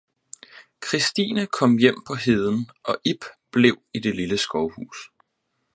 Christine kom hjem på heden og Ib blev i det lille skovhus.